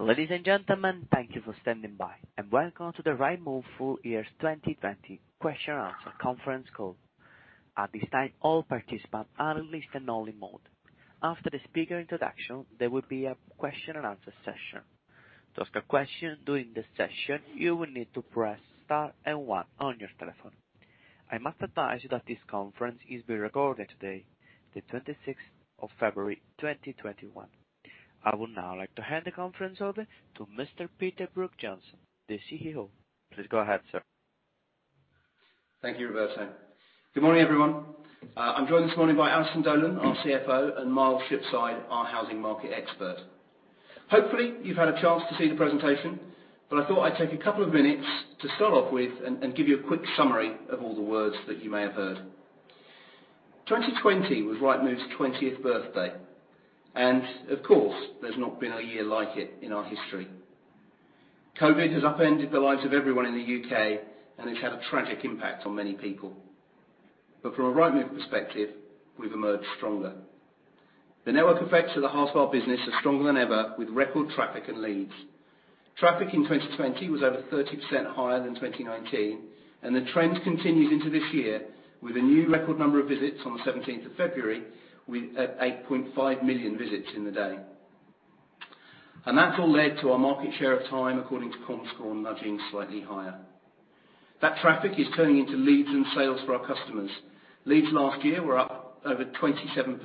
Ladies and gentlemen, thank you for standing by, and welcome to the Rightmove full year 2020 question answer conference call. At this time, all participants are in listen only mode. After the speaker introduction, there will be a question and answer session. To ask a question during the session, you will need to press star and one on your telephone. I must advise you that this conference is being recorded today, the 26th of February 2021. I would now like to hand the conference over to Mr Peter Brooks-Johnson, the CEO. Please go ahead, sir. Thank you, Roberto. Good morning, everyone. I'm joined this morning by Alison Dolan, our CFO, and Miles Shipside, our housing market expert. Hopefully, you've had a chance to see the presentation, but I thought I'd take a couple of minutes to start off with and give you a quick summary of all the words that you may have heard. 2020 was Rightmove's 20th birthday, and of course, there's not been a year like it in our history. COVID-19 has upended the lives of everyone in the U.K., and it's had a tragic impact on many people. From a Rightmove perspective, we've emerged stronger. The network effects of the heart of our business are stronger than ever, with record traffic and leads. Traffic in 2020 was over 30% higher than 2019. The trend continues into this year with a new record number of visits on the 17th of February, at 8.5 million visits in the day. That's all led to our market share of time, according to Comscore, nudging slightly higher. That traffic is turning into leads and sales for our customers. Leads last year were up over 27%.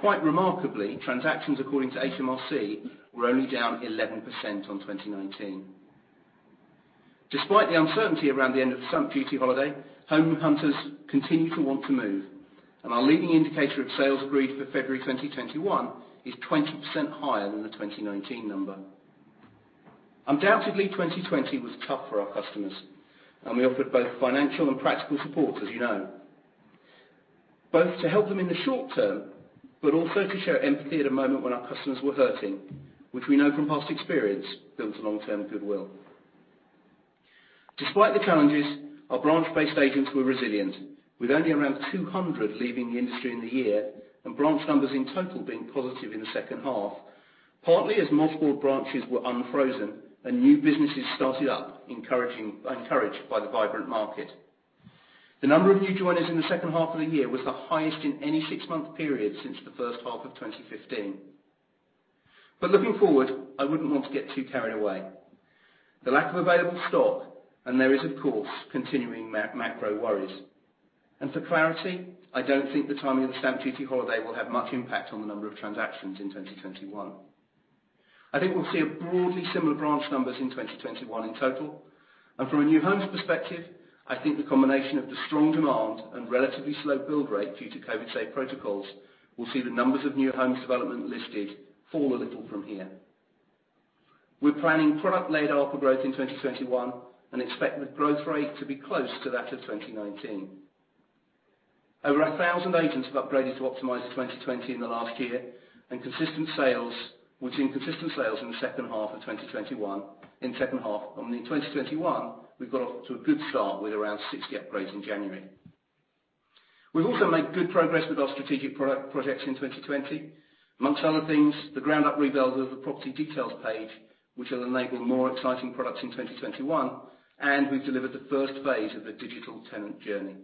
Quite remarkably, transactions, according to HMRC, were only down 11% on 2019. Despite the uncertainty around the end of the stamp duty holiday, home hunters continue to want to move. Our leading indicator of sales agreed for February 2021 is 20% higher than the 2019 number. Undoubtedly, 2020 was tough for our customers, and we offered both financial and practical support, as you know, both to help them in the short-term, but also to show empathy at a moment when our customers were hurting, which we know from past experience builds long-term goodwill. Despite the challenges, our branch-based agents were resilient, with only around 200 leaving the industry in the year, and branch numbers in total being positive in the second half, partly as multiple branches were unfrozen and new businesses started up, encouraged by the vibrant market. The number of new joiners in the second half of the year was the highest in any six-month period since the first half of 2015. Looking forward, I wouldn't want to get too carried away. The lack of available stock, and there is, of course, continuing macro worries. For clarity, I don't think the timing of the stamp duty holiday will have much impact on the number of transactions in 2021. I think we'll see a broadly similar branch numbers in 2021 in total. From a new homes perspective, I think the combination of the strong demand and relatively slow build rate due to COVID-safe protocols will see the numbers of new homes development listed fall a little from here. We're planning product-led ARPA growth in 2021 and expect the growth rate to be close to that of 2019. Over 1,000 agents have upgraded to Optimiser 2020 in the last year, and we've seen consistent sales in the second half of 2021. We've got off to a good start with around 60 upgrades in January. We've also made good progress with our strategic projects in 2020. Among other things, the ground-up rebuild of the property details page, which will enable more exciting products in 2021, we've delivered the first phase of the digital tenant journey.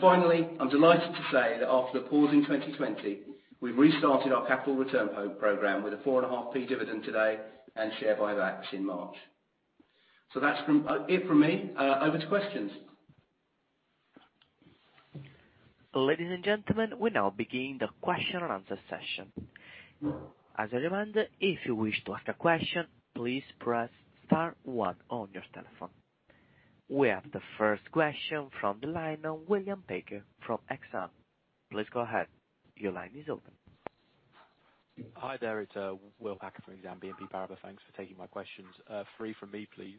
Finally, I'm delighted to say that after the pause in 2020, we've restarted our capital return program with a four-and-a-half P dividend today and share buybacks in March. That's it from me. Over to questions. Ladies and gentlemen, we now begin the question and answer session. As a reminder, if you wish to ask a question, please press star one on your telephone. We have the first question from the line, William Packer from Exane. Please go ahead. Your line is open. Hi there, it's Will Packer from Exane BNP Paribas. Thanks for taking my questions. Three from me, please.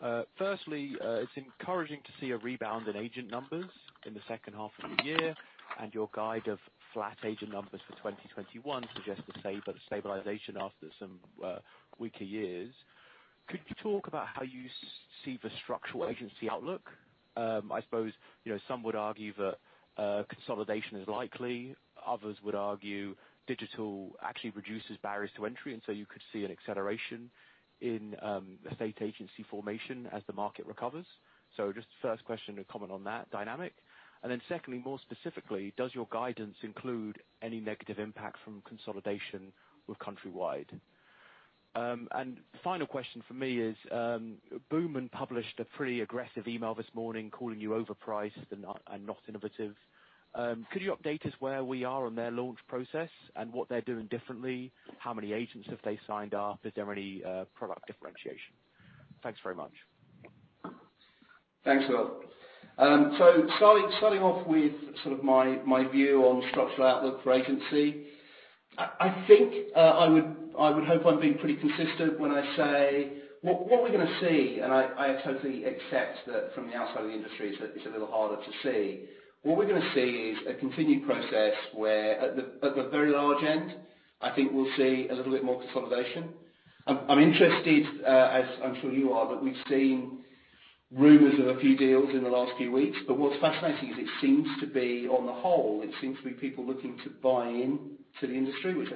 It's encouraging to see a rebound in agent numbers in the second half of the year, and your guide of flat agent numbers for 2021 suggests a stabilization after some weaker years. Could you talk about how you see the structural agency outlook? I suppose some would argue that consolidation is likely. Others would argue digital actually reduces barriers to entry, you could see an acceleration in estate agency formation as the market recovers. Just first question, a comment on that dynamic. Secondly, more specifically, does your guidance include any negative impact from consolidation with Countrywide? Final question from me is, Boomin published a pretty aggressive email this morning calling you overpriced and not innovative. Could you update us where we are on their launch process and what they're doing differently? How many agents have they signed up? Is there any product differentiation? Thanks very much. Thanks, Will. Starting off with sort of my view on structural outlook for agency, I would hope I'm being pretty consistent when I say what we're going to see, and I totally accept that from the outside of the industry, it's a little harder to see. What we're going to see is a continued process where at the very large end, I think we'll see a little bit more consolidation. I'm interested, as I'm sure you are, but we've seen rumors of a few deals in the last few weeks. What's fascinating is it seems to be, on the whole, it seems to be people looking to buy into the industry, which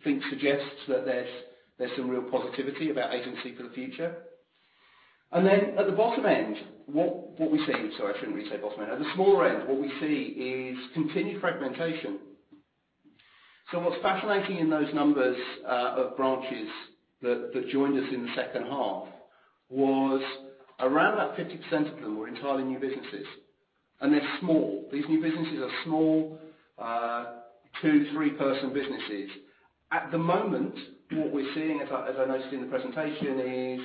I think suggests that there's some real positivity about agency for the future. At the bottom end, sorry, I shouldn't really say bottom end. At the smaller end, what we see is continued fragmentation. What's fascinating in those numbers of branches that joined us in the second half was around that 50% of them were entirely new businesses, and they're small. These new businesses are small, two, three-person businesses. At the moment, what we're seeing, as I noticed in the presentation, is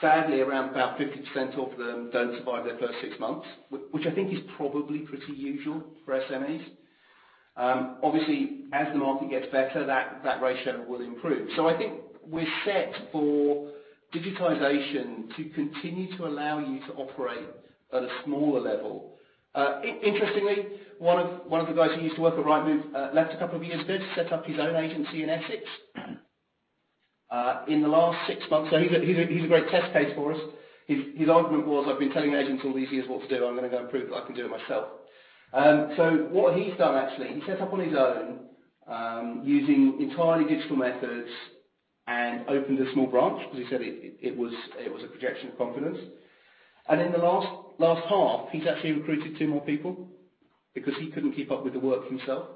sadly, around about 50% of them don't survive their first six months, which I think is probably pretty usual for SMEs. Obviously, as the market gets better, that ratio will improve. I think we're set for digitization to continue to allow you to operate at a smaller level. Interestingly, one of the guys who used to work at Rightmove left a couple of years ago to set up his own agency in Essex. He's a great test case for us. His argument was, "I've been telling agents all these years what to do, I'm going to go and prove that I can do it myself." What he's done, actually, he set up on his own, using entirely digital methods, and opened a small branch because he said it was a projection of confidence. In the last half, he's actually recruited two more people because he couldn't keep up with the work himself.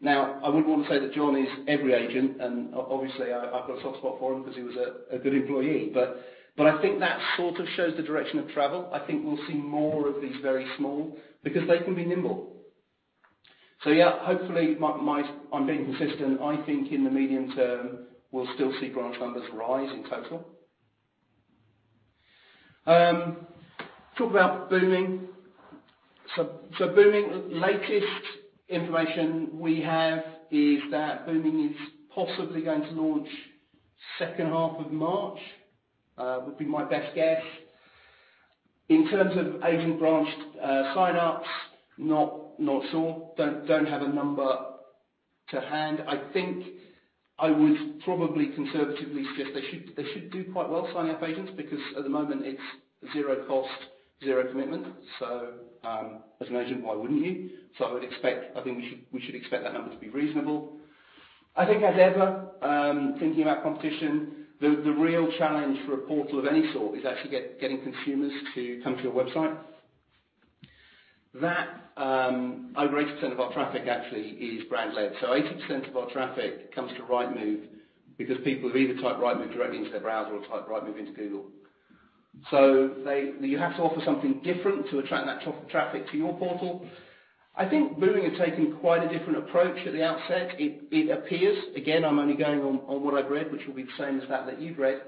Now, I wouldn't want to say that John is every agent, and obviously, I've got a soft spot for him because he was a good employee. I think that sort of shows the direction of travel. I think we'll see more of these very small because they can be nimble. Yeah, hopefully, I'm being consistent. I think in the medium-term, we'll still see branch numbers rise in total. Talk about Boomin. Boomin, latest information we have is that Boomin is possibly going to launch second half of March, would be my best guess. In terms of agent branch sign-ups, not sure. Don't have a number to hand. I think I would probably conservatively suggest they should do quite well signing up agents, because at the moment it's zero cost, zero commitment. As an agent, why wouldn't you? I would expect, I think we should expect that number to be reasonable. I think as ever, thinking about competition, the real challenge for a portal of any sort is actually getting consumers to come to your website. Over 80% of our traffic actually is brand led. 80% of our traffic comes to Rightmove, because people have either typed Rightmove directly into their browser or typed Rightmove into Google. You have to offer something different to attract that traffic to your portal. I think Boomin are taking quite a different approach at the outset. It appears, again, I'm only going on what I've read, which will be the same as that that you've read.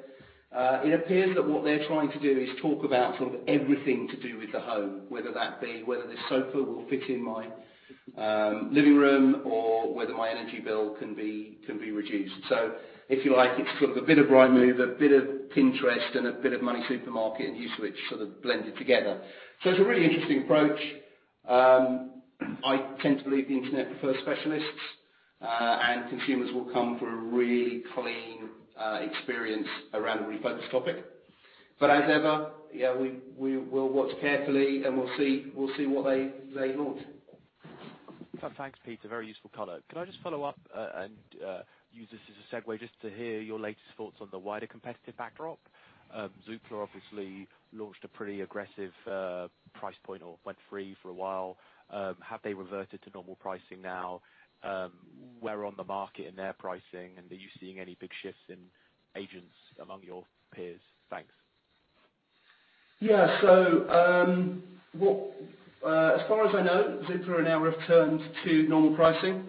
It appears that what they're trying to do is talk about sort of everything to do with the home, whether that be whether this sofa will fit in my living room or whether my energy bill can be reduced. If you like, it's sort of a bit of Rightmove, a bit of Pinterest, and a bit of MoneySuperMarket and uSwitch sort of blended together. It's a really interesting approach. I tend to believe the internet prefers specialists, and consumers will come for a really clean experience around a refocused topic. As ever, yeah, we'll watch carefully and we'll see what they launch. Thanks, Peter. A very useful color. Could I just follow up, and use this as a segue just to hear your latest thoughts on the wider competitive backdrop? Zoopla obviously launched a pretty aggressive price point or went free for a while. Have they reverted to normal pricing now? Where OnTheMarket in their pricing and are you seeing any big shifts in agents among your peers? Thanks. Yeah. As far as I know, Zoopla have now returned to normal pricing.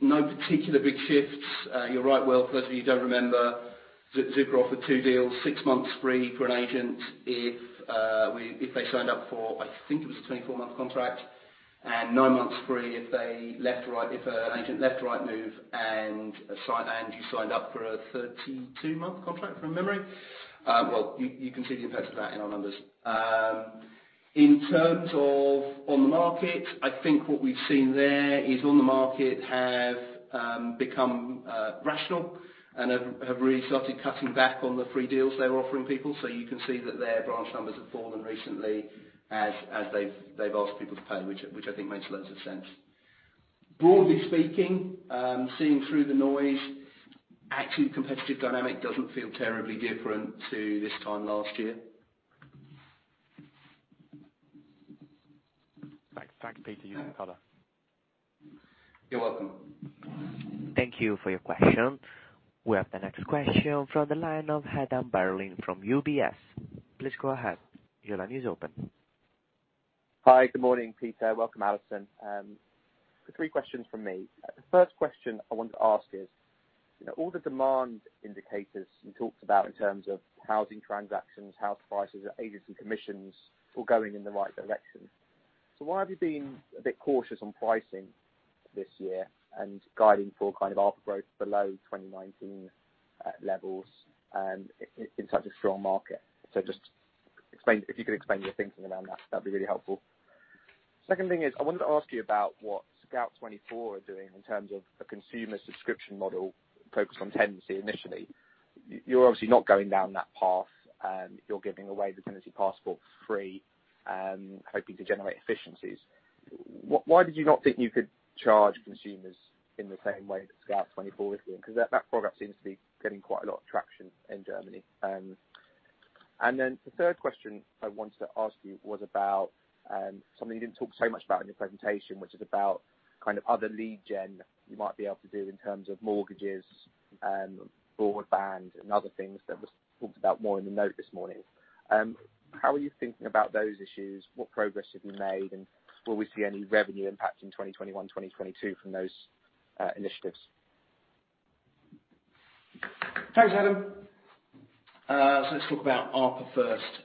No particular big shifts. You're right, Will, for those of you who don't remember, Zoopla offered two deals, six months free for an agent if they signed up for, I think it was a 24-month contract. Nine months free if an agent left Rightmove and you signed up for a 32-month contract, from memory. You can see the impact of that in our numbers. In terms of OnTheMarket, I think what we've seen there is OnTheMarket have become rational and have really started cutting back on the free deals they were offering people. You can see that their branch numbers have fallen recently as they've asked people to pay, which I think makes loads of sense. Broadly speaking, seeing through the noise, actually competitive dynamic doesn't feel terribly different to this time last year. Thanks, Peter. Useful color. You're welcome. Thank you for your question. We have the next question from the line of Adam Berlin from UBS. Please go ahead. Your line is open. Hi. Good morning, Peter. Welcome, Alison. Three questions from me. The first question I want to ask is, all the demand indicators you talked about in terms of housing transactions, house prices, agency commissions, all going in the right direction. Why have you been a bit cautious on pricing this year and guiding for kind of output growth below 2019 levels in such a strong market? just if you could explain your thinking around that'd be really helpful. Second thing is, I wanted to ask you about what Scout24 are doing in terms of a consumer subscription model focused on tenancy initially. You're obviously not going down that path. You're giving away the tenancy passport for free, hoping to generate efficiencies. Why did you not think you could charge consumers in the same way that Scout24 is doing? That program seems to be getting quite a lot of traction in Germany. The third question I wanted to ask you was about something you didn't talk so much about in your presentation, which is about other lead gen you might be able to do in terms of mortgages and broadband and other things that was talked about more in the note this morning. How are you thinking about those issues? What progress have you made, and will we see any revenue impact in 2021, 2022 from those initiatives? Thanks, Adam. Let's talk about ARPA first.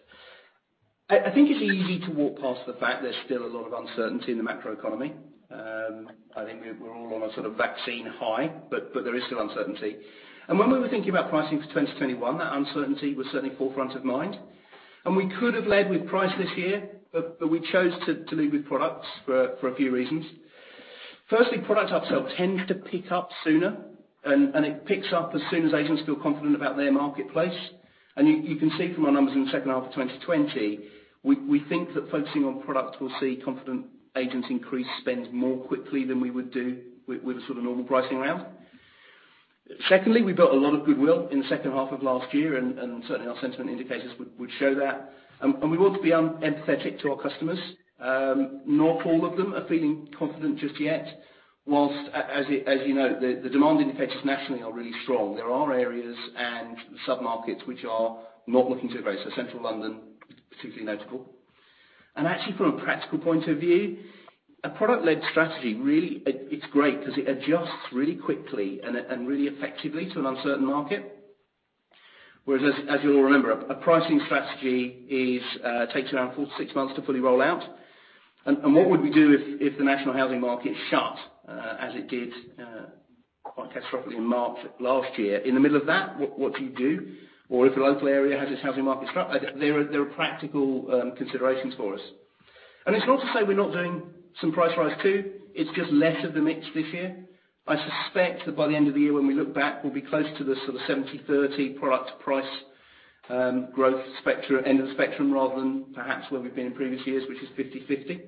I think it's easy to walk past the fact there's still a lot of uncertainty in the macro economy. I think we're all on a sort of vaccine high, but there is still uncertainty. When we were thinking about pricing for 2021, that uncertainty was certainly forefront of mind. We could have led with price this year, but we chose to lead with products for a few reasons. Firstly, product upsell tends to pick up sooner, and it picks up as soon as agents feel confident about their marketplace. You can see from our numbers in the second half of 2020, we think that focusing on product will see confident agents increase spend more quickly than we would do with a sort of normal pricing round. Secondly, we built a lot of goodwill in the second half of last year, certainly our sentiment indicators would show that. We want to be empathetic to our customers. Not all of them are feeling confident just yet. Whilst, as you know, the demand indicators nationally are really strong, there are areas and sub-markets which are not looking so great. Central London, particularly notable. Actually from a practical point of view, a product-led strategy really it's great because it adjusts really quickly and really effectively to an uncertain market. Whereas as you'll remember, a pricing strategy takes around four to six months to fully roll out. What would we do if the national housing market shut, as it did quite catastrophically in March last year? In the middle of that, what do you do? If a local area has its housing market shut, there are practical considerations for us. It's not to say we're not doing some price rise too. It's just less of the mix this year. I suspect that by the end of the year when we look back, we'll be close to the sort of 70/30 product price growth end of the spectrum rather than perhaps where we've been in previous years, which is 50/50.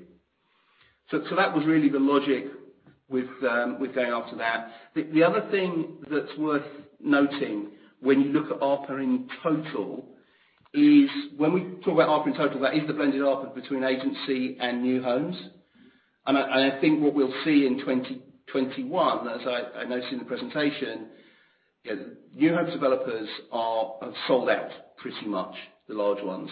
That was really the logic with going after that. The other thing that's worth noting when you look at ARPA in total is when we talk about ARPA in total, that is the blended ARPA between agency and new homes. I think what we'll see in 2021, as I noted in the presentation, new home developers are sold out pretty much, the large ones.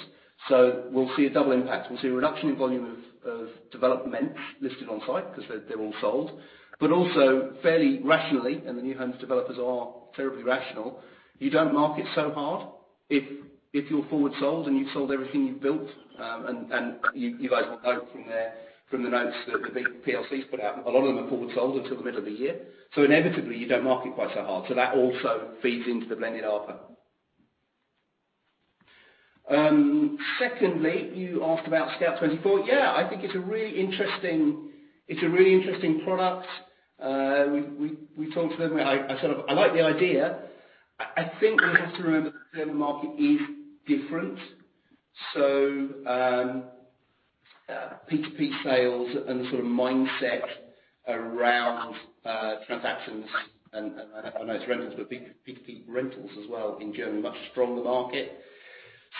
We'll see a double impact. We'll see a reduction in volume of developments listed on-site because they're all sold. Also fairly rationally, and the new homes developers are terribly rational, you don't market so hard if you're forward sold and you've sold everything you've built. You guys will know from the notes that the big PLCs put out, a lot of them are forward sold until the middle of the year. Inevitably you don't market quite so hard. That also feeds into the blended ARPA. Secondly, you asked about Scout24. Yeah, I think it's a really interesting product. We talked to them. I like the idea. I think we have to remember the German market is different. P2P sales and the sort of mindset around transactions and I know it's rentals, but P2P rentals as well in Germany, much stronger market.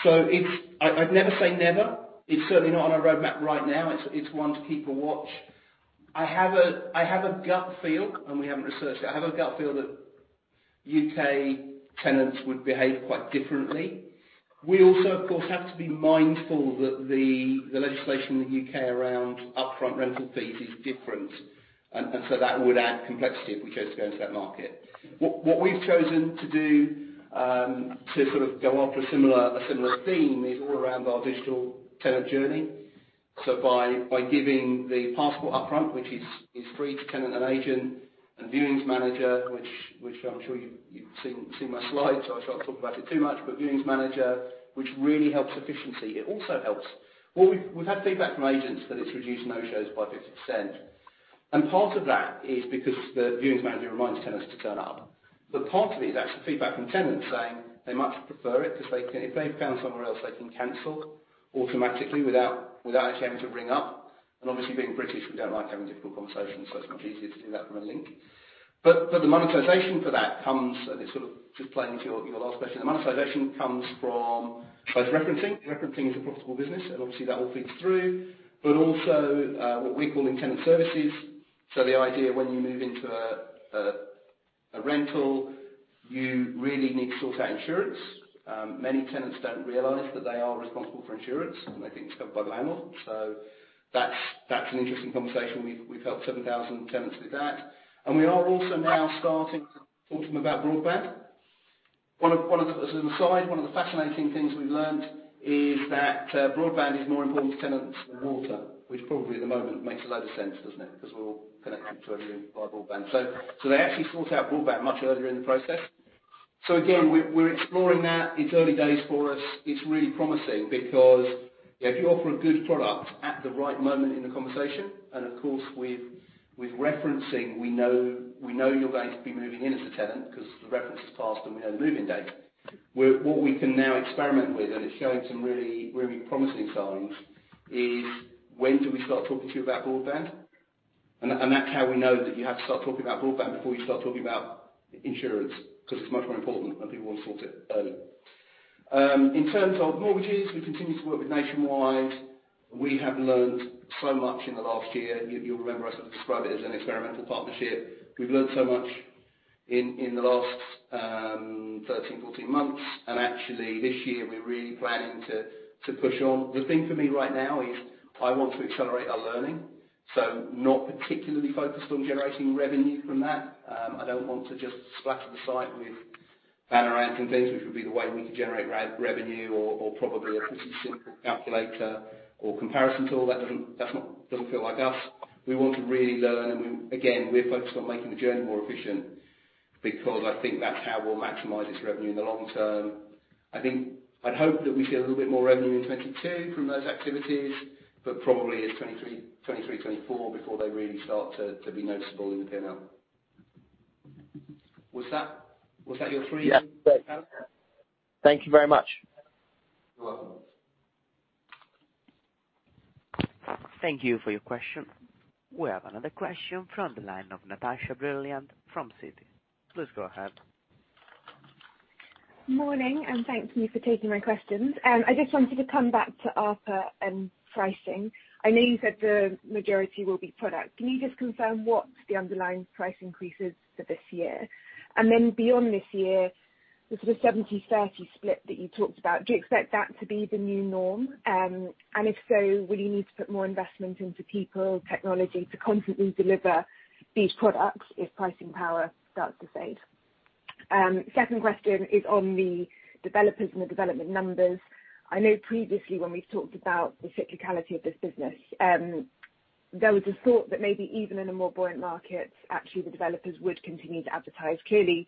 I'd never say never. It's certainly not on our roadmap right now. It's one to keep a watch. I have a gut feel, and we haven't researched it. I have a gut feel that U.K. tenants would behave quite differently. We also, of course, have to be mindful that the legislation in the U.K. around upfront rental fees is different. That would add complexity if we chose to go into that market. What we've chosen to do, to sort of go after a similar theme is all around our digital tenant journey. By giving the passport upfront, which is free to tenant and agent and viewings manager, which I'm sure you've seen my slides so I can't talk about it too much, but viewings manager which really helps efficiency. We've had feedback from agents that it's reduced no-shows by 50%. Part of that is because the viewings manager reminds tenants to turn up. Part of it is actually feedback from tenants saying they much prefer it because if they found somewhere else they can cancel automatically without having to ring up. Obviously being British we don't like having difficult conversations so it's much easier to do that from a link. The monetization for that comes, and it sort of just playing to your last question, the monetization comes from both referencing. Referencing is a profitable business and obviously that all feeds through. Also what we call in tenant services. The idea when you move into a rental you really need to sort out insurance. Many tenants don't realize that they are responsible for insurance and they think it's covered by the landlord. That's an interesting conversation. We've helped 7,000 tenants with that. We are also now starting to talk to them about broadband. As an aside, one of the fascinating things we've learnt is that broadband is more important to tenants than water, which probably at the moment makes a load of sense, doesn't it? We're all connected to everything by broadband. They actually sort out broadband much earlier in the process. Again, we're exploring that. It's early days for us. It's really promising because if you offer a good product at the right moment in the conversation, and of course, with referencing, we know you're going to be moving in as a tenant because the reference has passed and we know the moving date. What we can now experiment with, and it's showing some really promising signs, is when do we start talking to you about broadband? That's how we know that you have to start talking about broadband before you start talking about insurance, because it's much more important and people want to sort it early. In terms of mortgages, we continue to work with Nationwide. We have learned so much in the last year. You'll remember I sort of described it as an experimental partnership. We've learned so much in the last 13, 14 months. Actually this year we're really planning to push on. The thing for me right now is I want to accelerate our learning. Not particularly focused on generating revenue from that. I don't want to just splatter the site with banner ads and things, which would be the way we could generate revenue or probably a pretty simple calculator or comparison tool. That doesn't feel like us. We want to really learn, and again, we're focused on making the journey more efficient, because I think that's how we'll maximize this revenue in the long-term. I'd hope that we see a little bit more revenue in 2022 from those activities, but probably it's 2023, 2024 before they really start to be noticeable in the P&L. Was that your three? Yeah. Thank you very much. You're welcome. Thank you for your question. We have another question from the line of Natasha Brilliant from Citi. Please go ahead. Morning, thank you for taking my questions. I just wanted to come back to ARPA and pricing. I know you said the majority will be product. Can you just confirm what the underlying price increase is for this year? Beyond this year, the sort of 70/30 split that you talked about, do you expect that to be the new norm? If so, will you need to put more investment into people, technology to constantly deliver these products if pricing power starts to fade? Second question is on the developers and the development numbers. I know previously when we've talked about the cyclicality of this business, there was a thought that maybe even in a more buoyant market, actually the developers would continue to advertise. Clearly,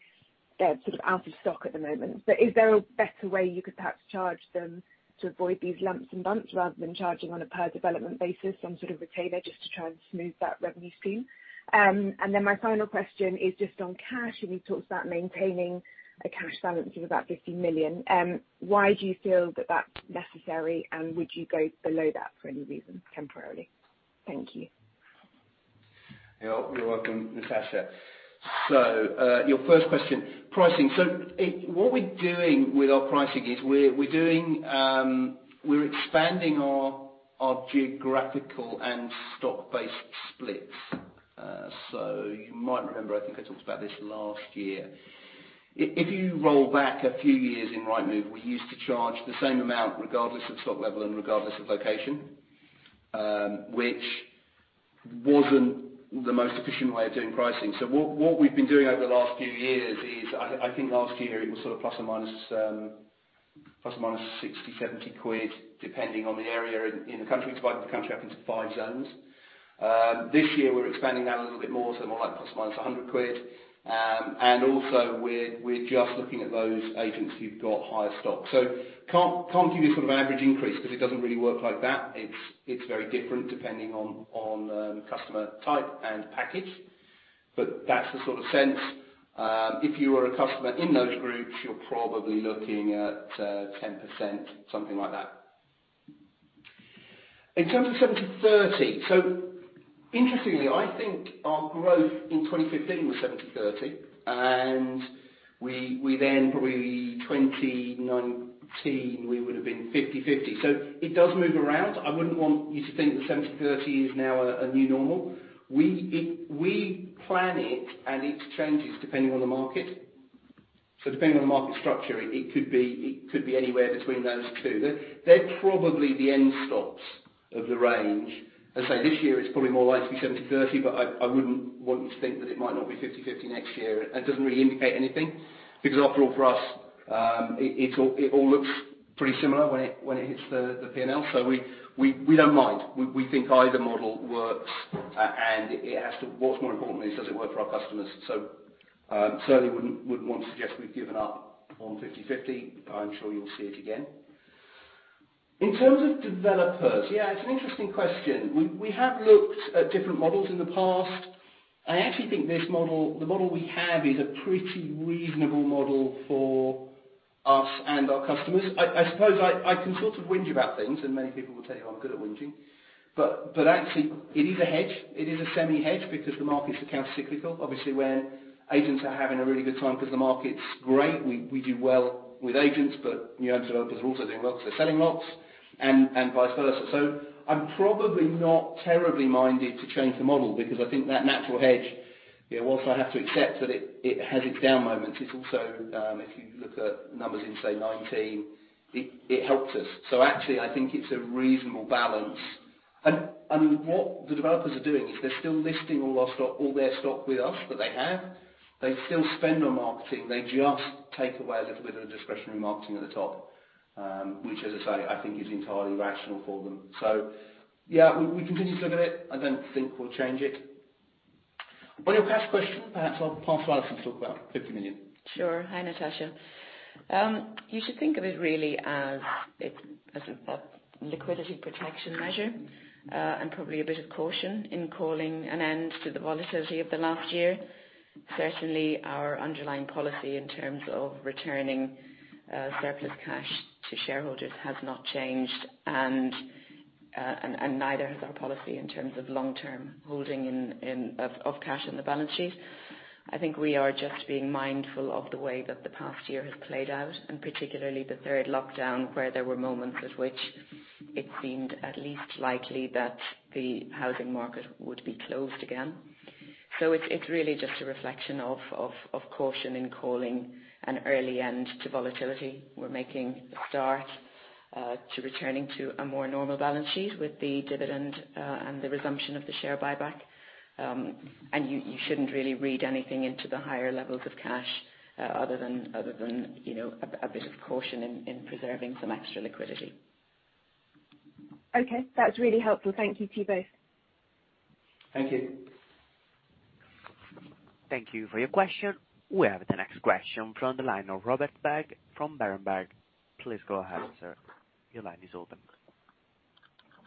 they're sort of out of stock at the moment. Is there a better way you could perhaps charge them to avoid these lumps and bumps rather than charging on a per development basis, some sort of retainer just to try and smooth that revenue stream? My final question is just on cash. You talked about maintaining a cash balance of about 50 million. Why do you feel that that's necessary, and would you go below that for any reason temporarily? Thank you. You're welcome, Natasha. Your first question, pricing. What we're doing with our pricing is we're expanding our geographical and stock-based splits. You might remember, I think I talked about this last year. If you roll back a few years in Rightmove, we used to charge the same amount regardless of stock level and regardless of location, which wasn't the most efficient way of doing pricing. What we've been doing over the last few years is, I think last year it was sort of ±60 quid, 70 quid, depending on the area in the country. We divided the country up into five zones. This year we're expanding that a little bit more, so more like ±100 quid. And also we're just looking at those agents who've got higher stock. Can't give you sort of average increase because it doesn't really work like that. It's very different depending on the customer type and package. That's the sort of sense. If you are a customer in those groups, you're probably looking at 10%, something like that. In terms of 70/30, interestingly, I think our growth in 2015 was 70/30, and we then probably 2019, we would have been 50/50. It does move around. I wouldn't want you to think that 70/30 is now a new normal. We plan it and it changes depending on the market. Depending on the market structure, it could be anywhere between those two. They're probably the end stops of the range. This year it's probably more likely to be 70/30, but I wouldn't want you to think that it might not be 50/50 next year. It doesn't really indicate anything, because after all, for us, it all looks pretty similar when it hits the P&L. We don't mind. We think either model works, and what's more important is does it work for our customers. Certainly wouldn't want to suggest we've given up on 50/50. I'm sure you'll see it again. In terms of developers, yeah, it's an interesting question. We have looked at different models in the past. I actually think this model, the model we have is a pretty reasonable model for us and our customers. I suppose I can sort of whinge about things, and many people will tell you I'm good at whinging. Actually it is a hedge. It is a semi-hedge because the market's countercyclical. When agents are having a really good time because the market's great, we do well with agents, but new home developers are also doing well because they're selling lots, and vice versa. I'm probably not terribly minded to change the model because I think that natural hedge, whilst I have to accept that it has its down moments, it's also, if you look at numbers in, say 2019, it helped us. Actually, I think it's a reasonable balance. What the developers are doing is they're still listing all their stock with us that they have. They still spend on marketing. They just take away a little bit of the discretionary marketing at the top, which as I say, I think is entirely rational for them. Yeah, we continue to look at it. I don't think we'll change it. On your cash question, perhaps I'll pass to Alison to talk about 50 million. Sure. Hi, Natasha. You should think of it really as a liquidity protection measure, and probably a bit of caution in calling an end to the volatility of the last year. Certainly, our underlying policy in terms of returning surplus cash to shareholders has not changed, and neither has our policy in terms of long-term holding of cash on the balance sheet. I think we are just being mindful of the way that the past year has played out, and particularly the third lockdown, where there were moments at which it seemed at least likely that the housing market would be closed again. It's really just a reflection of caution in calling an early end to volatility. We're making a start to returning to a more normal balance sheet with the dividend and the resumption of the share buyback. You shouldn't really read anything into the higher levels of cash other than a bit of caution in preserving some extra liquidity. Okay. That's really helpful. Thank you to you both. Thank you. Thank you for your question. We have the next question from the line of Robert Bagge from Berenberg. Please go ahead, sir. Your line is open.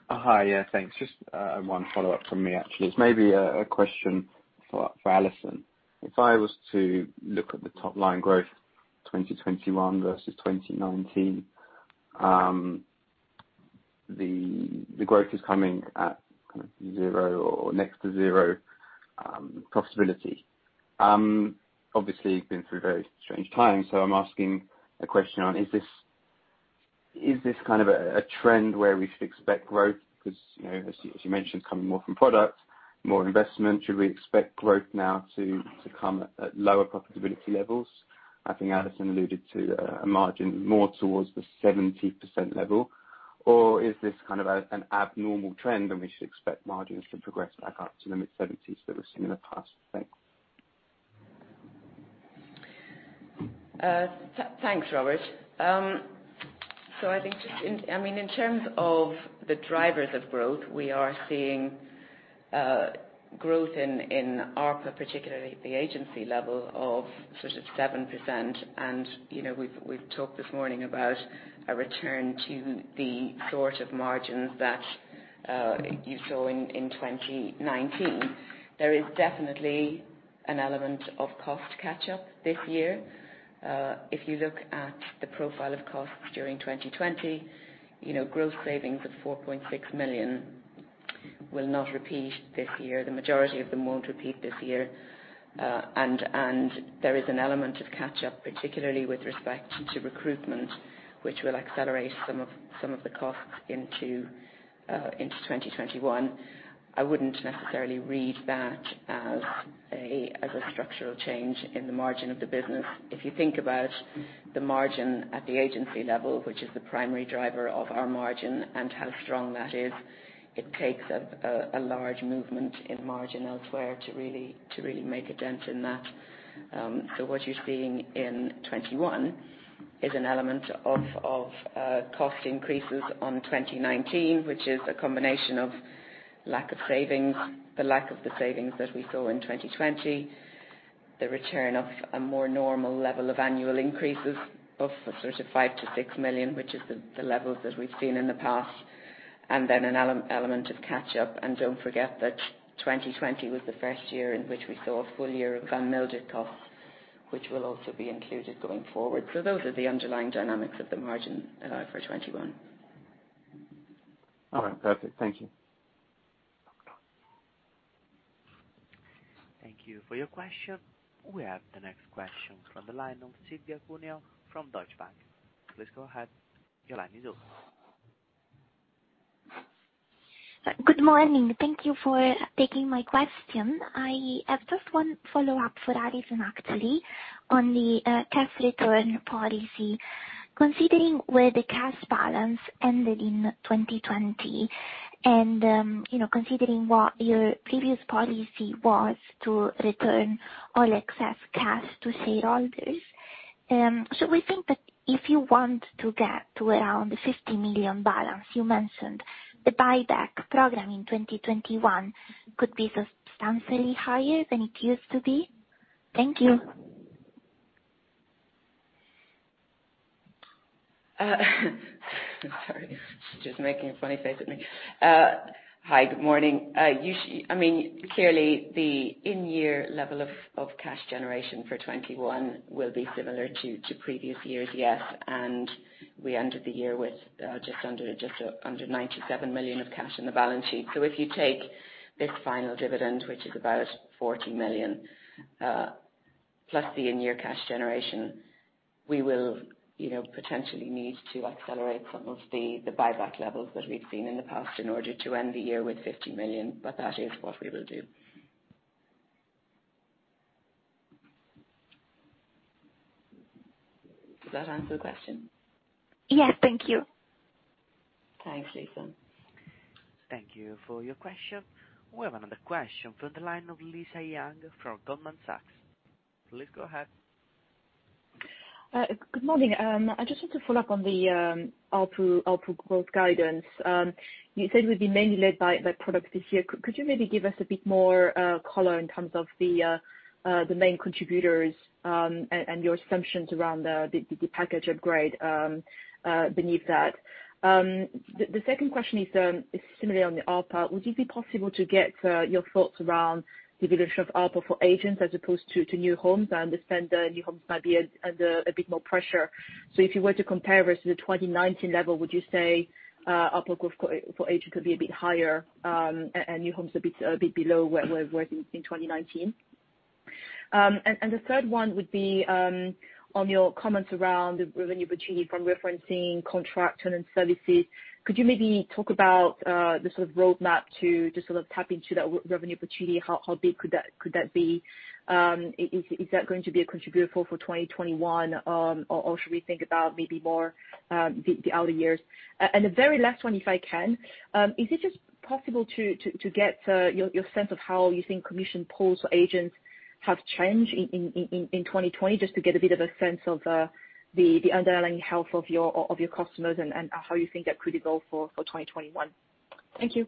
Hi. Yeah, thanks. Just one follow-up from me, actually. It's maybe a question for Alison. If I was to look at the top line growth 2021 versus 2019, the growth is coming at zero or next to zero profitability. Obviously, you've been through very strange times, so I'm asking a question on, is this kind of a trend where we should expect growth because, as you mentioned, it's coming more from product, more investment. Should we expect growth now to come at lower profitability levels? I think Alison alluded to a margin more towards the 70% level. Or is this kind of an abnormal trend, and we should expect margins to progress back up to the mid-70s% that we've seen in the past? Thanks. Thanks, Robert. I think, in terms of the drivers of growth, we are seeing growth in ARPA, particularly at the agency level of sort of 7%. We've talked this morning about a return to the sort of margins that you saw in 2019. There is definitely an element of cost catch-up this year. If you look at the profile of costs during 2020, growth savings of 4.6 million will not repeat this year. The majority of them won't repeat this year. There is an element of catch-up, particularly with respect to recruitment, which will accelerate some of the costs into 2021. I wouldn't necessarily read that as a structural change in the margin of the business. If you think about the margin at the agency level, which is the primary driver of our margin, and how strong that is, it takes a large movement in margin elsewhere to really make a dent in that. What you're seeing in 2021 is an element of cost increases on 2019, which is a combination of lack of savings, the lack of the savings that we saw in 2020, the return of a more normal level of annual increases of sort of 5 million-6 million, which is the levels that we've seen in the past, and then an element of catch-up. Don't forget that 2020 was the first year in which we saw a full year of Van Mildert costs, which will also be included going forward. Those are the underlying dynamics of the margin for 2021. All right, perfect. Thank you. Thank you for your question. We have the next question from the line of Cynthia Cuomo from Deutsche Bank. Please go ahead. Your line is open. Good morning. Thank you for taking my question. I have just one follow-up for Alison, actually, on the cash return policy. Considering where the cash balance ended in 2020 and considering what your previous policy was to return all excess cash to shareholders, should we think that if you want to get to around the 50 million balance you mentioned, the buyback program in 2021 could be substantially higher than it used to be? Thank you. Sorry. She's making a funny face at me. Hi, good morning. Clearly, the in-year level of cash generation for 2021 will be similar to previous years, yes. We ended the year with just under 97 million of cash on the balance sheet. If you take this final dividend, which is about 40 million, plus the in-year cash generation, we will potentially need to accelerate some of the buyback levels that we've seen in the past in order to end the year with 50 million, but that is what we will do. Does that answer the question? Yes. Thank you. Thanks, Alison. Thank you for your question. We have another question from the line of Lisa Yang from Goldman Sachs. Please go ahead. Good morning. I just want to follow up on the ARPA growth guidance. You said it would be mainly led by product this year. Could you maybe give us a bit more color in terms of the main contributors and your assumptions around the package upgrade beneath that? The second question is similarly on the ARPA. Would it be possible to get your thoughts around the evolution of ARPA for agents as opposed to new homes? I understand new homes might be under a bit more pressure. If you were to compare versus the 2019 level, would you say ARPA growth for agents would be a bit higher and new homes a bit below where it was in 2019? The third one would be on your comments around the revenue opportunity from referencing contract tenant services. Could you maybe talk about the sort of roadmap to just sort of tap into that revenue opportunity? How big could that be? Is that going to be a contributor for 2021, or should we think about maybe more the outer years? The very last one, if I can. Is it just possible to get your sense of how you think commission pools for agents have changed in 2020, just to get a bit of a sense of the underlying health of your customers and how you think that could go for 2021? Thank you.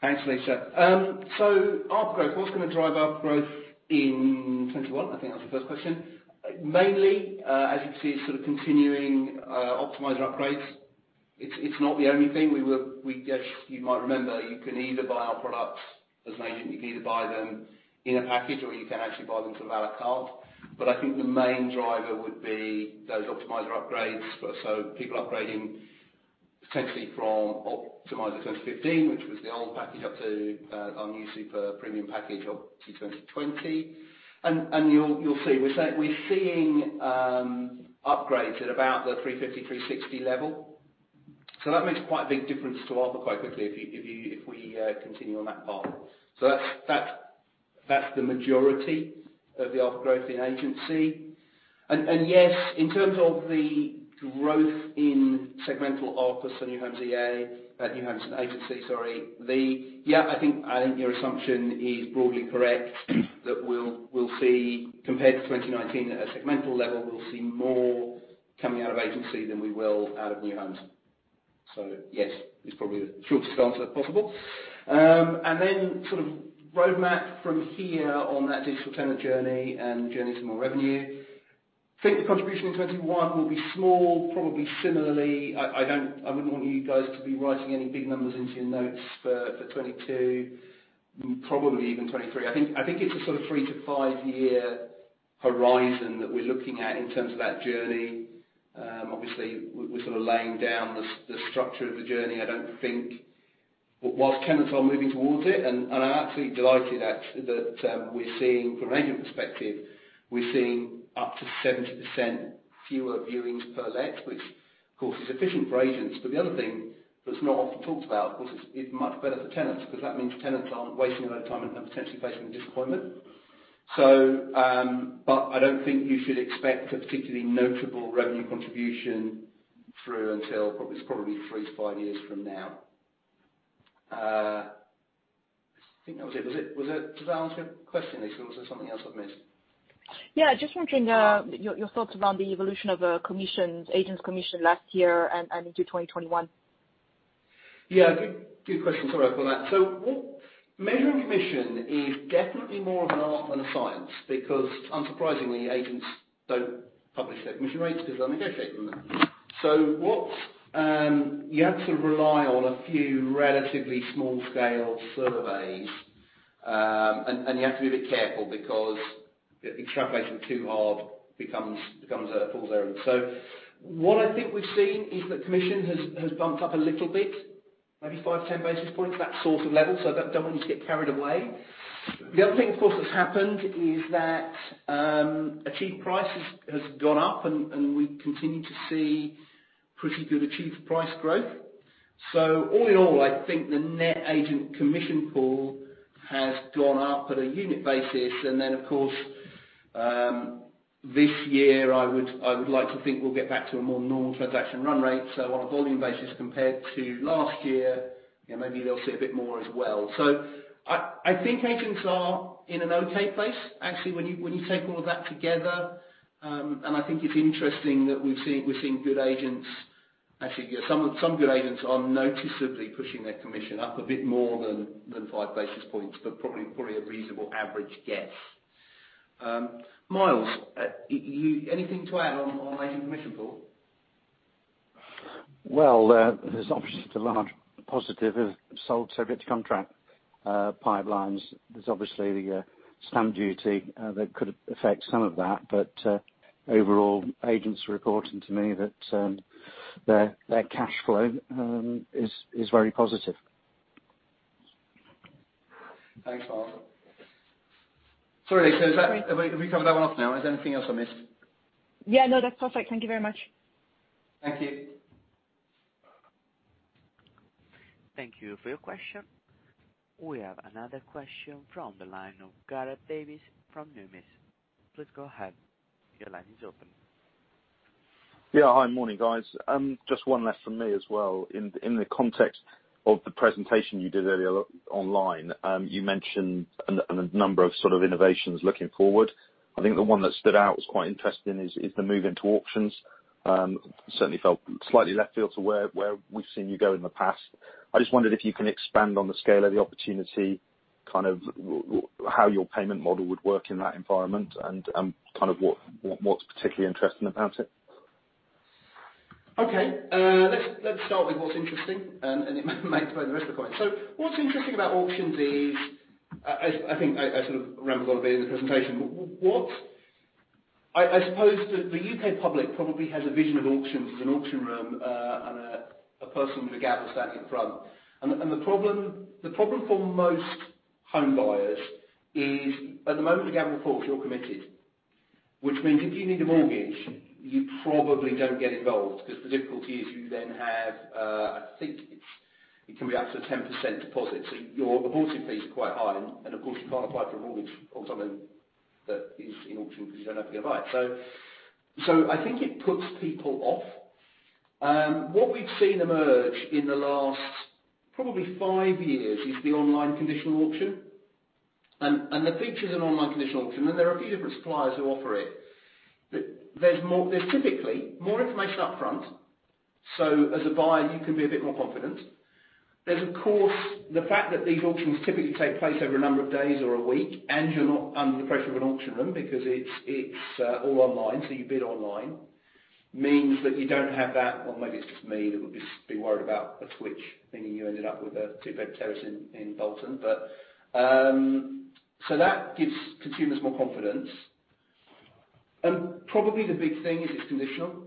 Thanks, Lisa. ARPA growth. What's going to drive ARPA growth in 2021, I think that was the first question. Mainly, as you can see, sort of continuing Optimiser upgrades. It's not the only thing. You might remember, you can either buy our products as an agent, you can either buy them in a package or you can actually buy them sort of à la carte. I think the main driver would be those Optimiser upgrades. People upgrading potentially from Optimiser 2015, which was the old package, up to our new super premium package, Opti 2020. You'll see, we're seeing upgrades at about the 350, 360 level. That makes quite a big difference to ARPA quite quickly if we continue on that path. That's the majority of the ARPA growth in agency. Yes, in terms of the growth in segmental ARPA, so new homes and agency. Yeah, I think your assumption is broadly correct, that we'll see compared to 2019 at a segmental level, we'll see more coming out of agency than we will out of new homes. Yes, is probably the shortest answer possible. Then sort of roadmap from here on that digital tenant journey and the journey to more revenue. Think the contribution in 2021 will be small, probably similarly, I wouldn't want you guys to be writing any big numbers into your notes for 2022, probably even 2023. I think it's a sort of three to five-year horizon that we're looking at in terms of that journey. Obviously, we're sort of laying down the structure of the journey. I don't think whilst tenants are moving towards it, and I'm absolutely delighted, actually, that we're seeing from an agent perspective, we're seeing up to 70% fewer viewings per let, which of course is efficient for agents. The other thing that's not often talked about, of course, it's much better for tenants because that means tenants aren't wasting a lot of time and potentially facing disappointment. I don't think you should expect a particularly notable revenue contribution through until probably three to five years from now. I think that was it. Does that answer your question, Lisa, or was there something else I've missed? Yeah, just wondering your thoughts around the evolution of agents' commission last year and into 2021? Yeah, good question. Sorry about that. Measuring commission is definitely more of an art than a science because unsurprisingly agents don't publish their commission rates because they're negotiating them. You have to rely on a few relatively small-scale surveys, and you have to be a bit careful because extrapolating too hard becomes a fool's errand. What I think we've seen is that commission has bumped up a little bit, maybe 5-10 basis points. That sort of level, so I don't want you to get carried away. The other thing, of course, that's happened is that achieved price has gone up and we continue to see pretty good achieved price growth. All in all, I think the net agent commission pool has gone up at a unit basis. Then, of course, this year I would like to think we'll get back to a more normal transaction run rate. On a volume basis compared to last year, maybe they'll sit a bit more as well. I think agents are in an okay place, actually, when you take all of that together. I think it's interesting that we're seeing good agents, actually, some good agents are noticeably pushing their commission up a bit more than 5 basis points, but probably a reasonable average guess. Miles, anything to add on agent commission pool? There's obviously still a large positive of sold subject to contract pipelines. There's obviously the Stamp Duty that could affect some of that. Overall, agents are reporting to me that their cash flow is very positive. Thanks, Miles. Sorry, Lisa, have we covered that one off now? Is there anything else I missed? Yeah, no, that's perfect. Thank you very much. Thank you. Thank you for your question. We have another question from the line of Gareth Davies from Numis. Please go ahead. Your line is open. Yeah. Hi. Morning, guys. Just one left from me as well. In the context of the presentation you did earlier online, you mentioned a number of innovations looking forward. I think the one that stood out, was quite interesting, is the move into auctions. Certainly felt slightly left field to where we've seen you go in the past. I just wondered if you can expand on the scale of the opportunity, how your payment model would work in that environment, and what's particularly interesting about it. Okay. Let's start with what's interesting, and it may explain the rest of the point. What's interesting about auctions is, I think I sort of rambled on a bit in the presentation. I suppose the U.K. public probably has a vision of auctions as an auction room, and a person with a gavel standing in front. The problem for most home buyers is at the moment the gavel falls, you're committed. Which means if you need a mortgage, you probably don't get involved because the difficulty is you then have, I think it can be up to a 10% deposit. The auction fees are quite high, and of course, you can't apply for a mortgage on something that is in auction because you don't know if you're going to buy it. I think it puts people off. What we've seen emerge in the last probably five years is the online conditional auction. The features of an online conditional auction, there are a few different suppliers who offer it. There's typically more information up front, so as a buyer, you can be a bit more confident. There's, of course, the fact that these auctions typically take place over a number of days or a week, and you're not under the pressure of an auction room because it's all online, so you bid online. Means that you don't have that, or maybe it's just me that would be worried about a twitch, meaning you ended up with a two-bed terrace in Bolton. That gives consumers more confidence. Probably the big thing is it's conditional.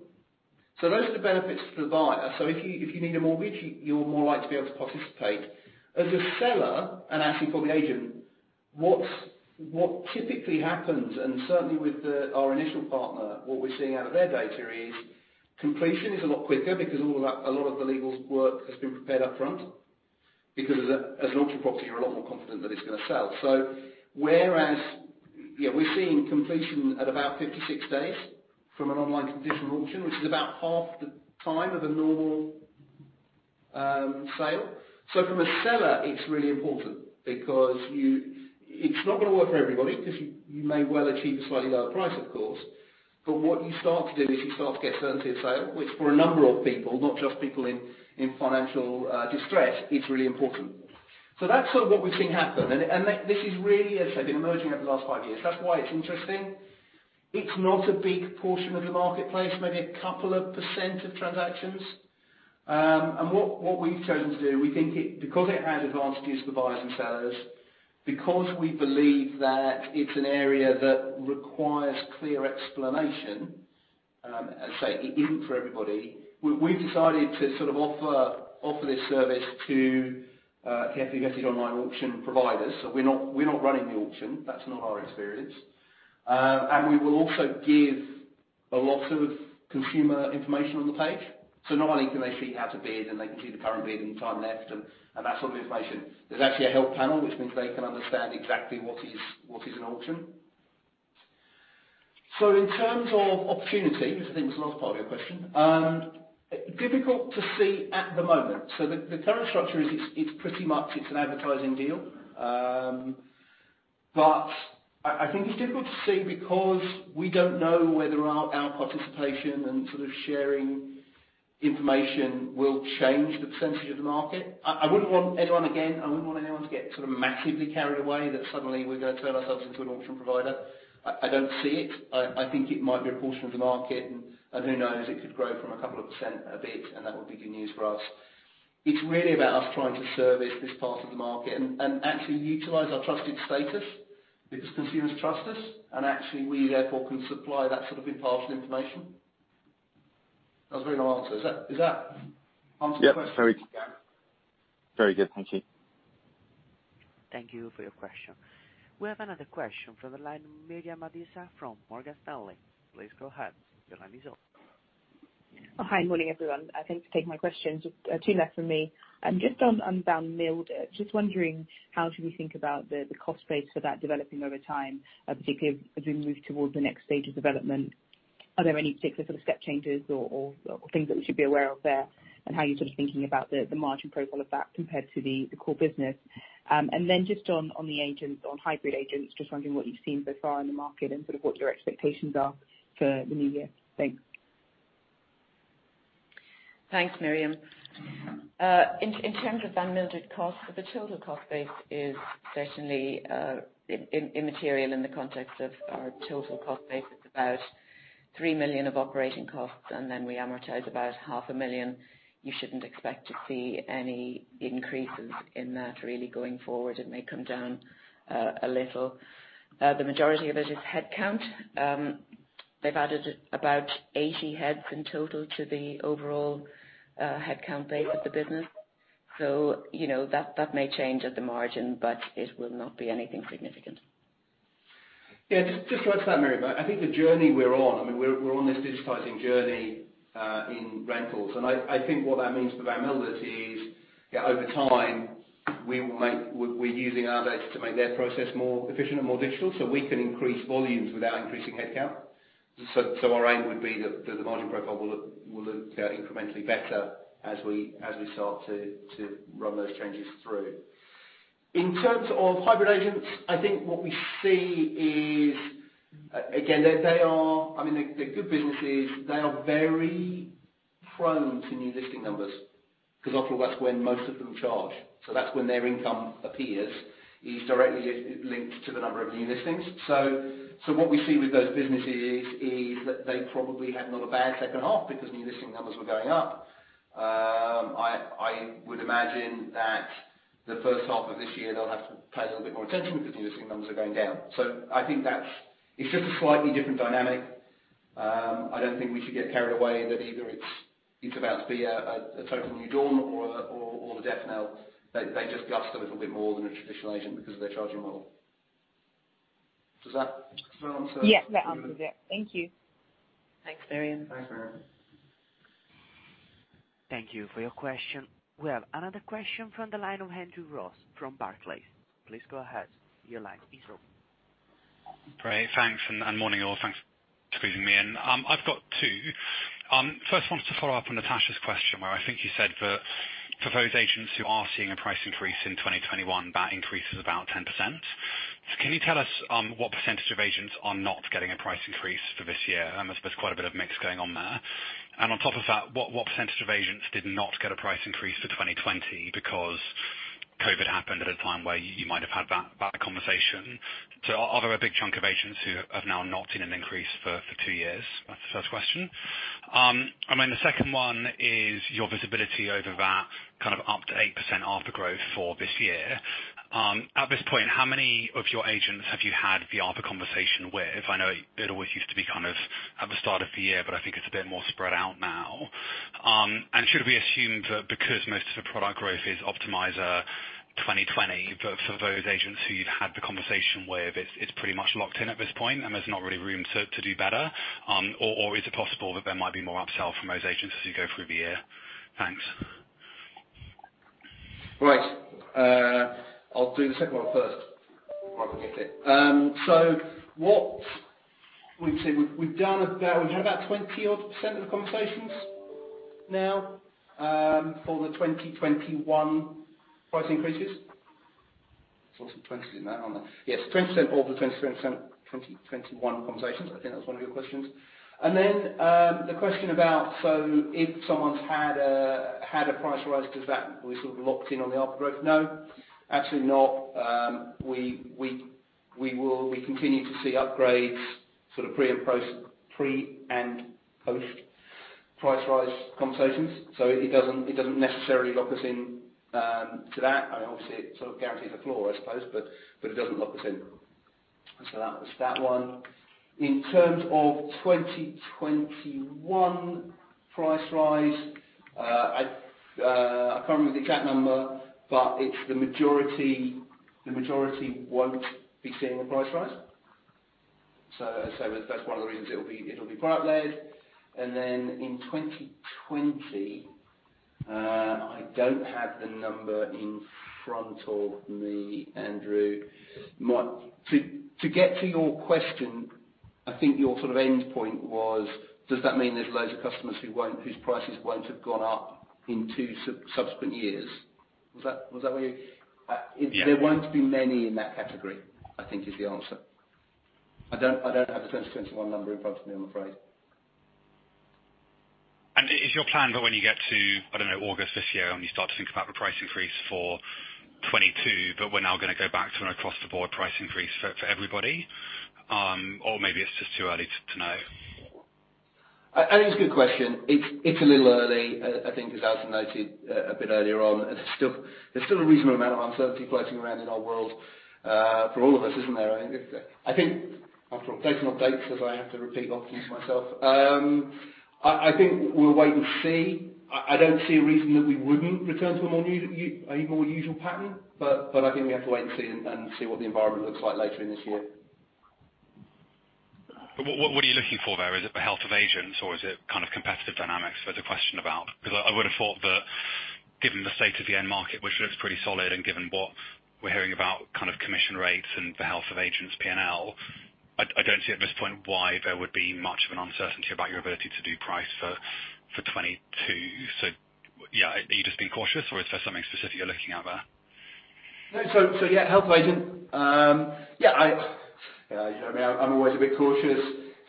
Those are the benefits for the buyer. If you need a mortgage, you're more likely to be able to participate. As a seller, and actually for the agent, what typically happens, and certainly with our initial partner, what we're seeing out of their data is completion is a lot quicker because a lot of the legal work has been prepared upfront. As an auction property, you're a lot more confident that it's going to sell. We're seeing completion at about 56 days from an online conditional auction, which is about half the time of a normal sale. From a seller, it's really important. It's not going to work for everybody because you may well achieve a slightly lower price, of course. What you start to do is you start to get certainty of sale, which for a number of people, not just people in financial distress, is really important. That's sort of what we've seen happen. This is really, as I said, been emerging over the last five years. That's why it's interesting. It's not a big portion of the marketplace, maybe a couple of percent of transactions. What we've chosen to do, because it has advantages for buyers and sellers, because we believe that it's an area that requires clear explanation, as I say, it isn't for everybody. We decided to sort of offer this service to carefully vetted online auction providers. We're not running the auction. That's not our experience. We will also give a lot of consumer information on the page. Not only can they see how to bid, and they can see the current bid and the time left and that sort of information, there's actually a help panel, which means they can understand exactly what is an auction. In terms of opportunity, which I think was the last part of your question, difficult to see at the moment. The current structure is it's pretty much it's an advertising deal. I think it's difficult to say because we don't know whether our participation and sort of sharing information will change the percentage of the market. Again, I wouldn't want anyone to get sort of massively carried away that suddenly we're going to turn ourselves into an auction provider. I don't see it. I think it might be a portion of the market, and who knows, it could grow from a couple of percent a bit, and that would be good news for us. It's really about us trying to service this part of the market and actually utilize our trusted status because consumers trust us, and actually we therefore can supply that sort of impartial information. That was a very long answer. Does that answer your question? Yep. Very good. Thank you. Thank you for your question. We have another question from the line, Miriam Meza from Morgan Stanley. Please go ahead. Your line is open. Hi. Morning, everyone. Thanks for taking my questions. Two left for me. Just on Van Mildert, just wondering how should we think about the cost base for that developing over time, particularly as we move towards the next stage of development. Are there any particular sort of step changes or things that we should be aware of there, and how you're sort of thinking about the margin profile of that compared to the core business? Then just on the agents, on hybrid agents, just wondering what you've seen so far in the market and sort of what your expectations are for the new year. Thanks. Thanks, Miriam. In terms of Van Mildert cost, the total cost base is certainly immaterial in the context of our total cost base. It's about 3 million of operating costs, and then we amortize about 500,000. You shouldn't expect to see any increases in that really going forward. It may come down a little. The majority of it is headcount. They've added about 80 heads in total to the overall headcount base of the business. That may change at the margin, but it will not be anything significant. Yeah, just to add to that, Miriam. I think the journey we're on, I mean, we're on this digitizing journey in rentals. I think what that means for Van Mildert is over time. We're using our data to make their process more efficient and more digital so we can increase volumes without increasing headcount. Our aim would be that the margin profile will look incrementally better as we start to run those changes through. In terms of hybrid agents, I think what we see is, again, they are good businesses. They are very prone to new listing numbers, because often that's when most of them charge. That's when their income appears. It is directly linked to the number of new listings. What we see with those businesses is that they probably had not a bad second half because new listing numbers were going up. I would imagine that the first half of this year, they'll have to pay a little bit more attention because new listing numbers are going down. I think it's just a slightly different dynamic. I don't think we should get carried away that either it's about to be a total new dawn or the death knell. They just cost a little bit more than a traditional agent because of their charging model. Does that answer? Yes, that answers it. Thank you. Thanks, Miriam. Thanks, Miriam. Thank you for your question. We have another question from the line of Andrew Ross from Barclays. Please go ahead. Your line is open. Great. Thanks, and morning, all. Thanks for squeezing me in. I've got two. First, wanted to follow up on Natasha's question, where I think you said for those agents who are seeing a price increase in 2021, that increase is about 10%. Can you tell us what % of agents are not getting a price increase for this year? I suppose quite a bit of mix going on there. On top of that, what percent of agents did not get a price increase for 2020 because COVID happened at a time where you might have had that conversation? Are there a big chunk of agents who have now not seen an increase for two years? That's the first question. The second one is your visibility over that kind of up to 8% ARPA growth for this year. At this point, how many of your agents have you had the ARPA conversation with? I know it always used to be kind of at the start of the year, but I think it's a bit more spread out now. Should we assume that because most of the product growth is Optimiser 2020, for those agents who you've had the conversation with, it's pretty much locked in at this point and there's not really room to do better? Is it possible that there might be more upsell from those agents as you go through the year? Thanks. Right. I'll do the second one first. What we've seen, we've had about 20-odd% of the conversations now for the 2021 price increases. Saw some 20s in that, aren't there? Yes, 20% of the 2021 conversations. I think that was one of your questions. The question about if someone's had a price rise, are we sort of locked in on the ARPA growth? No, absolutely not. We continue to see upgrades sort of pre and post price rise conversations. It doesn't necessarily lock us into that. Obviously, it sort of guarantees the floor, I suppose, but it doesn't lock us in. That was that one. In terms of 2021 price rise, I can't remember the exact number, but it's the majority won't be seeing a price rise. That's one of the reasons it'll be product led. In 2020, I don't have the number in front of me, Andrew. To get to your question, I think your sort of end point was, does that mean there's loads of customers whose prices won't have gone up in two subsequent years? Yeah. There won't be many in that category, I think is the answer. I don't have the 2021 number in front of me, I'm afraid. Is your plan that when you get to, I don't know, August this year, and you start to think about the price increase for 2022, that we're now going to go back to an across the board price increase for everybody? Maybe it's just too early to know. I think it's a good question. It's a little early. I think, as Alison noted a bit earlier on, there's still a reasonable amount of uncertainty floating around in our world for all of us, isn't there? I think, taking updates, as I have to repeat often to myself. I think we'll wait and see. I don't see a reason that we wouldn't return to a more usual pattern, but I think we have to wait and see what the environment looks like later in this year. What are you looking for there? Is it the health of agents or is it kind of competitive dynamics? Because I would have thought that given the state of the end market, which looks pretty solid, and given what we're hearing about kind of commission rates and the health of agents' P&L, I don't see at this point why there would be much of an uncertainty about your ability to do price for 2022. Yeah, are you just being cautious or is there something specific you're looking at there? Yeah, health agent. Yeah, you know me, I'm always a bit cautious.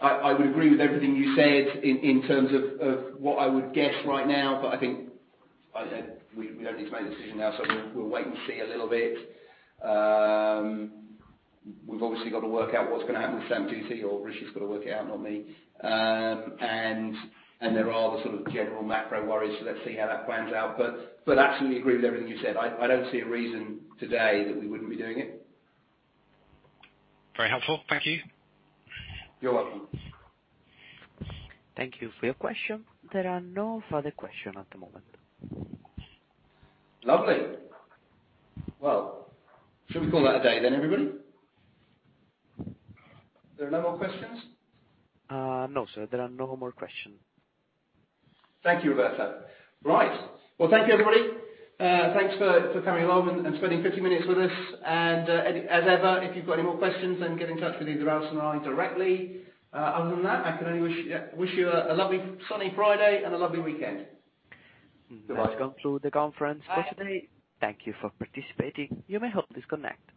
I would agree with everything you said in terms of what I would guess right now, but I think we don't need to make a decision now, so we'll wait and see a little bit. We've obviously got to work out what's going to happen with Stamp Duty, or Rishi's got to work it out, not me. There are the sort of general macro worries, so let's see how that pans out. Absolutely agree with everything you said. I don't see a reason today that we wouldn't be doing it. Very helpful. Thank you. You're welcome. Thank you for your question. There are no further question at the moment. Lovely. Well, should we call that a day then, everybody? There are no more questions? No, sir. There are no more question. Thank you, Roberta. Right. Well, thank you, everybody. Thanks for coming along and spending 50 minutes with us. As ever, if you've got any more questions, then get in touch with either Alison or I directly. Other than that, I can only wish you a lovely sunny Friday and a lovely weekend. Goodbye. That's come through the conference for today. Thank you for participating. You may now disconnect.